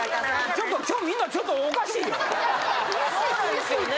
ちょっと今日みんなちょっとおかしいよそうなんですよね